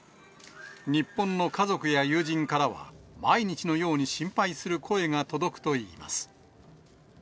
日本の家族や友人からは、毎日のように心配する声が届くといいます。